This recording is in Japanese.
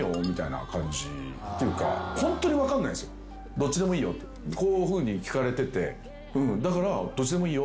どっちでもいいよってこういうふうに聞かれててだからどっちでもいいよ